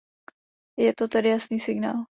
Je to tedy jasný signál.